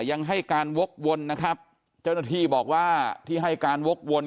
ยังให้การวกวนนะครับเจ้าหน้าที่บอกว่าที่ให้การวกวน